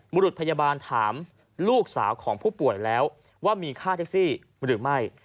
รุษพยาบาลถามลูกสาวของผู้ป่วยแล้วว่ามีค่าแท็กซี่หรือไม่